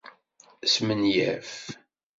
Smenyaf.